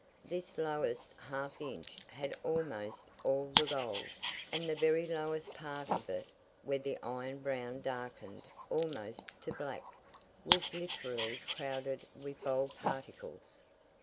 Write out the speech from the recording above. This lowest half inch had almost all the gold, and the very lowest part of it, where the iron brown darkened almost to black, was literally crowded with gold particles.